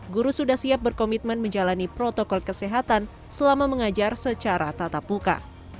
guru sudah siap berkomitmen menjalani protokol kesehatan selama mengajar secara tatap muka